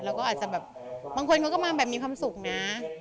เราก็อาจจะแบบบางคนเขาก็มาแบบมีความสุขนะ